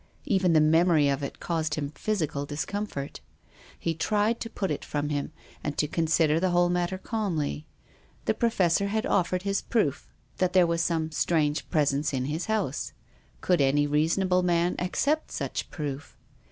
Even the memory of it caused him physical discomfort, lie tried to put it from him, and to consider the whole matter calmly. The Professor had offered his proof that there was 324 TONGUES OF CONSCIENCE. some strange presence in his house. Could any reasonable man accept such proof?